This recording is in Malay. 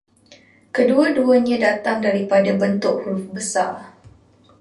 Kedua-duanya datang daripada bentuk huruf besar